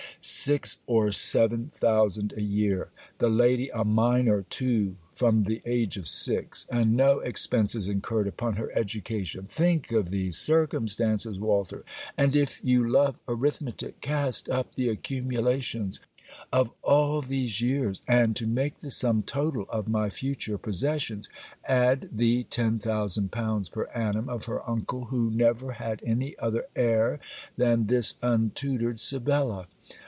Six or seven thousand a year! The lady a minor too from the age of six, and no expences incurred upon her education! Think of these circumstances, Walter; and, if you love arithmetic, cast up the accumulations of all these years; and to make the sum total of my future possessions, add the 10,000l. per ann. of her uncle who never had any other heir than this untutored Sibella!